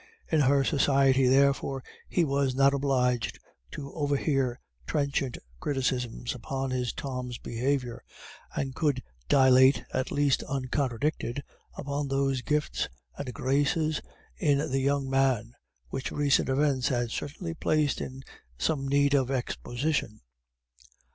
In her society, therefore, he was not obliged to overhear trenchant criticisms upon his Tom's behaviour, and could dilate, at least uncontradicted, upon those gifts and graces in the young man, which recent events had certainly placed in some need of exposition.